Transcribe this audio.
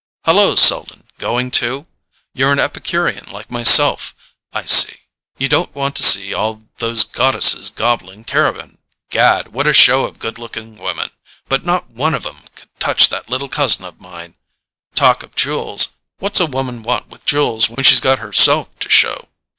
"Hallo, Selden, going too? You're an Epicurean like myself, I see: you don't want to see all those goddesses gobbling terrapin. Gad, what a show of good looking women; but not one of 'em could touch that little cousin of mine. Talk of jewels—what's a woman want with jewels when she's got herself to show?